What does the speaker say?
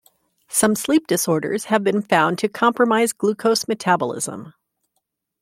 Some sleep disorders have been found to compromise glucose metabolism.